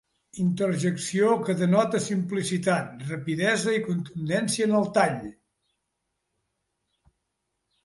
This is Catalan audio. Interjecció que denota simplicitat, rapidesa i contundència en el tall.